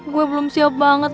gue belum siap banget